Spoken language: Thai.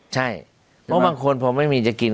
ใช่เพราะบางคนพอไม่มีจะกิน